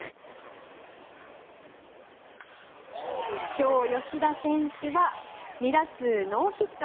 今日、吉田選手は２打数ノーヒット。